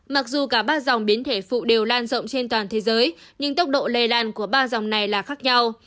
mặc dù cả ba dòng biến thể phụ đều lan rộng trên toàn thế giới nhưng tốc độ lây lan của ba dòng này là khác nhau